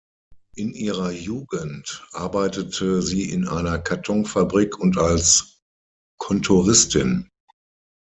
In ihrer Jugend arbeitete sie in einer Kartonfabrik und als Kontoristin.